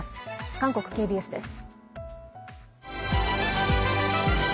韓国ＫＢＳです。